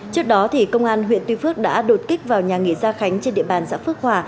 trước đó công an huyện tuy phước đã đột kích vào nhà nghỉ gia khánh trên địa bàn xã phước hòa